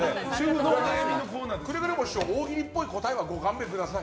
くれぐれも師匠大喜利っぽい答えはご勘弁ください。